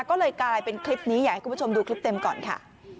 ก็เลยกลายเป็นคลิปนี้อยากให้คุณผู้ชมดูคลิปเต็มก่อนค่ะ